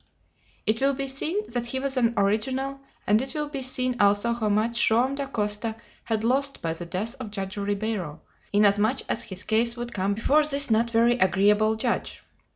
It will be seen that he was an original, and it will be seen also how much Joam Dacosta had lost by the death of Judge Ribeiro, inasmuch as his case would come before this not very agreeable judge.